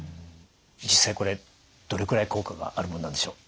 実際これどれくらい効果があるもんなんでしょう？